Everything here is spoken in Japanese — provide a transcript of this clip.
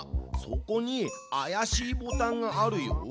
そこにあやしいボタンがあるよ。